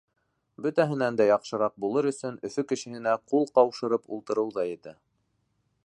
Бөтәһенән дә яҡшыраҡ булыр өсөн Өфө кешеһенә ҡул ҡаушырып ултырыу ҙа етә.